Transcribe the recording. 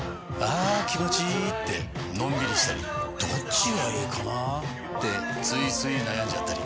あ気持ちいいってのんびりしたりどっちがいいかなってついつい悩んじゃったり。